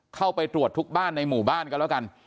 เข้าไปตรวจทุกบ้านในหมู่บ้านกันแล้วกัน